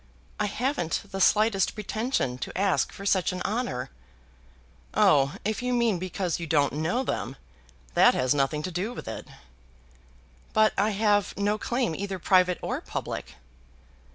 "I haven't the slightest pretension to ask for such an honour." "Oh! if you mean because you don't know them, that has nothing to do with it." "But I have no claim either private or public."